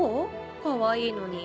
かわいいのに。